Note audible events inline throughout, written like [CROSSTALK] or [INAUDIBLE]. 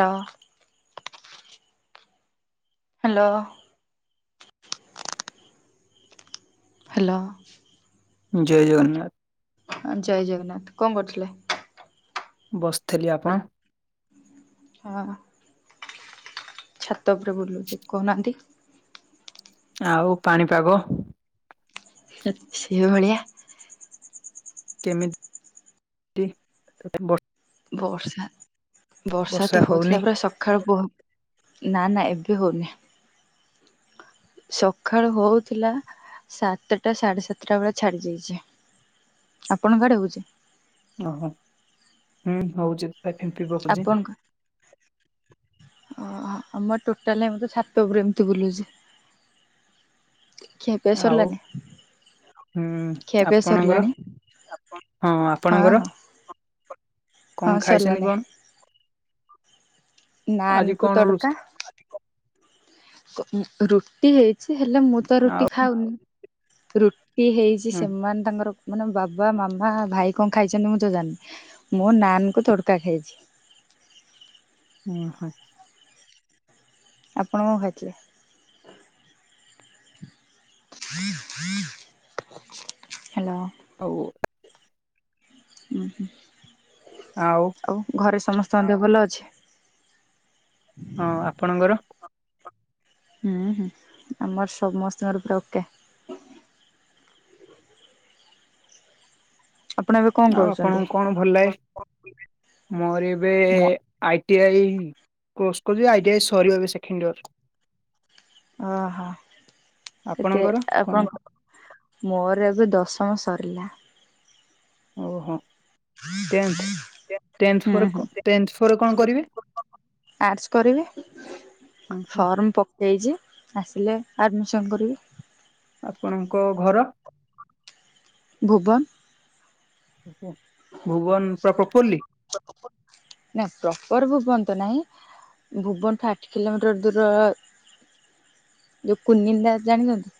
ଲ। Hello. Hello. ଜୟ ଜଗନ୍ନାଥ୍। ଜୟ ଜଗନ୍ନାଥ୍ -କଣ୍ କରୁଥିଲେ? ବସିଥିଲି -ଆପଣ? ହଁ। ଛାତ ଉପରେ ବୁଲୁଚି କହୁନାହାନ୍ତି। ଆଉ ପାଣିପାଗ? ସେଇ ଭଳିିଆ। କେମି ତି [UNINTELLIGIBLE] ବର୍ଷା -ବର୍ଷା ବର୍ଷା ତ ହଉନି ହଉଥିଲା ପୁରା ସଖାଳ ପହ ନା ନା ଏବେ ହଉନି। ସଖାଳୁ ହଉଥିଲା ସାତଟା ସାଢ଼େ ସାତଟା ବେଳେ ଛାଡି ଯାଇଚି। ଆପଣଙ୍କ ଆଡେ ହଉଚି? ଅ ହୋ- ହୁଁ ହଉଚି। ଏ ଫିମ୍ପି ପ ଆପଣଙ୍କ ଓହୋ ଆମର ଟୋଟାଲେ [UNINTELLIGIBLE] ମୁଁ ତ ଛାତ ଉପରେ ଏମିତି ବୁଲୁଚି। ଖିଆପିଆ ଆଉ ସରିଲାନି ହୁଁ -ଖିଆପିଆ ଆପଣଙ୍କର ସରିଲାଣି? ହଁ ଆପଣଙ୍କର? ହଁ କଣ ଖାଇଚନ୍ତି ସରିଲାନି କଣ? ନାନ୍ ଆଜି କୁ କଣ ରୋ ତଡକା କ-ରୁଟି ହେଇ ଚି ହେଲେ ମୁଁ ତ ଆଉ ରୁଟି ଖାଉନି ରୁଟି ହେଇଚି ହୁଁ ସେମାନେ ତାଙ୍କର ମାନେ ବାବା, ମାମା, ଭାଇ କଣ ଖାଇଚନ୍ତି ମୁଁ ତ ଜାଣିନି ମୁଁ ନାନ୍ କୁ ତଡକା ଖାଇଚି। ଓ ହ। ଆପଣ କଣ ଖାଇଥିଲେ? ହାଲୋ। ହଉ। ଓୁଁ ହୁଁ। ଆଉ ଆଉ ଘରେ ସମସ୍ତଙ୍କ ଦେହ ଭଲ ଅଛି? ହଁ ଆପଣଙ୍କର? ହୁଁ- ହୁଁ ଆମର ସମସ୍ତଙ୍କର ପୁରା ଓକେ। ଆପଣ ଏବେ କଣ ଆଉ କରୁଛନ୍ତି ଆପଣଙ୍କୁ କଣ ଭଲ ଲାଗେ? ମୋ ଆଇଟି ଆଇ କୋର୍ସ କରୁଚି। ଆଇଟି ଆଇ ସରିବ ଏବେ ସେଖେଣ୍ଡ୍ ଇୟର୍। ଓହୋ କେତେ ଆଉ କଣ। ମୋର ଏବେ ଦଶମ ସରିଲା। ଓହୋ ଟେନ୍ଥ ଟେନ୍ଥ ହୁଁ ପରେ କ ଟେନ୍ଥ ପରେ କଣ କରିବେ? ଆର୍ଟ୍ସ କରିବି ହୁଁ ହୁଁ ଫର୍ମ ପ ଦେଇଛି ଆସିଲେ ଆଡ଼ମିସନ୍ କରିବି। ଆପଣଙ୍କ ଘର? ଭୁବନ୍। ଭୁବନ୍ ପୁରା ପ୍ରପୋଲି। ନା ପ୍ରପର ଭୁବନ ତ ନାହିଁ। ଭୁବନ୍ ଠୁ ଆଠ କିଲୋମିଟର ଦୂର। ଯୋଉ କୁନିନ୍ଦା ଜାଣିଛନ୍ତି।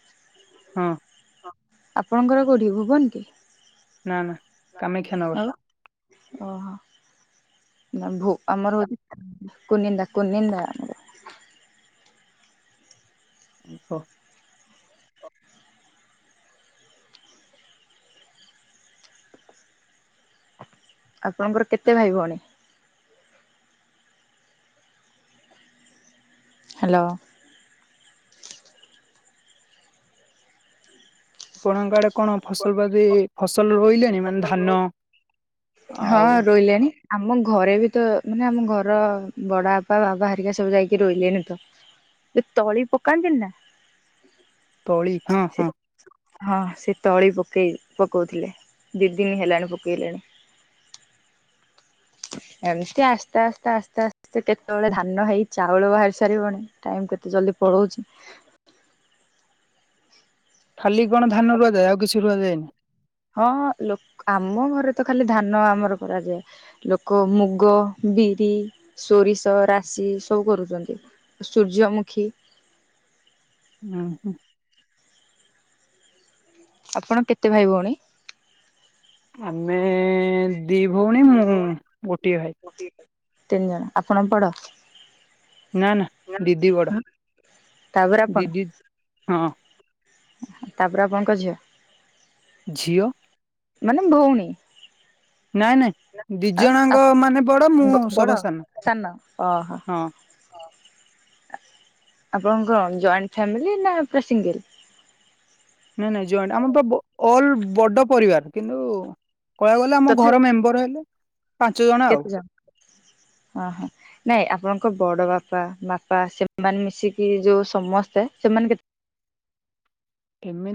ହଁ। ଆପଣଙ୍କର କୋଉଠି ଭୁବନ କି? ନାଁ ନାଁ କାମାକ୍ଷୀ ଆଉ। ଓହୋ ନା ଭୁ ଆମର କୁନିନ୍ଦା କୁନିନ୍ଦା ଆମର। ହ। ଆପଣଙ୍କର କେତେ ଭାଇ ଭଉଣୀ? ହାଲୋ। ଆପଣଙ୍କ ଆଡେ କଣ ଫସଲ ବାଜି ଇ ଫସଲ ରୋଇଲେଣି ମାନେ ଧାନ ଆଉ। ରୋଇଲେଣୀ। ଆମ ଘରେ ବି ତ ମାନେ ଆମ ଘର ବଡ ବାପା ବାବା ହେରିକା ସବୁ ଯାଇକି ରୋଇଲେଣି ତ। ଯେ ତଳି ପକାନ୍ତିନି ନା। ତଳି ହଁ ସେ ହଁ। ହଁ ସେ ତଳି ପକେଇ ପକଉଥିଲେ ଦି ଦିନି ହେଲାଣି ପକେଇଲେଣି। [INAUDIBLE] ଏମିତି ଆସ୍ତେ ଆସ୍ତେ ଆସ୍ତେ ଆସ୍ତେ ସେ କେତେବେଳେ ଧାନ ହେଇ ଚାଉଳ ବାହାରି ସାରିବଣି। ଟାଇମ୍ କେତେ ଜଲଦି ପଳଉଚି। ଖାଲି କଣ ଧାନ ରୁଆଯାଏ ଆଉ କିଛି ରୁଆଯାଏନି। ହଁ ହଁ ଲକ ଆମ ଘରେ ତ ଖାଲି ଧାନ ଆମର କରାଯାଏ। ଲୋକ ମୁଗ, ବିରି, ସୋରିଷ, ରାଶି ସବୁ କରୁଛନ୍ତି। ସୂର୍ଯ୍ୟମୁଖୀ। ଉଁ ହୁଁ। ଆପଣ କେତେ ଭାଇ ଭଉଣୀ? ଆମେ ଦି ଭଉଣୀ ମୁଁ ଗୋଟିଏ ଭାଇ। ତିନି ଜଣ ଆପଣ ବଡ। ନା ନା ଦିଦି ବଡ ତାପରେ ଆପଣ ଦିଦି ହଁ। ତାପରେ ଆପଣଙ୍କ ଝିଅ। ଝିଅ। ମାନେ ଭଉଣୀ। ନାଇଁ ନାଇଁ ଦି ଆଉ ଜଣଙ୍କ ଆ ମାନେ ବଡ ମୁଁ ବ ସଭା ବଡ ସାନ ସାନ ଓହୋ। ହଁ ଆପଣଙ୍କ ଜଏଣ୍ଟ ଫ୍ୟାମିଲି ନା ପୁରା ସିଙ୍ଗିଲି। ନାଇଁ ନାଇଁ ଜଏଣ୍ଟେ ଆମର ତ ଅଲ ବଡ ପରିବାର କିନ୍ତୁ। କହିବାକୁ ଗଲେ ଆମ ତଥାପି ଘର ମେମ୍ବର ହେଲେ ପାଞ୍ଚ ଜଣ ଆଉ। ଅ ହ। ନାଇଁ ଆପଣଙ୍କ ବଡ ବାପା ବାପା ସେମାନେ ମିଶିକି ଯୋଉ ସମସ୍ତେ ସେମାନେ କେତେ। ଏମିତି।